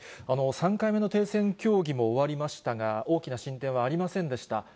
３回目の停戦協議も終わりましたが、大きな進展はありませんでした。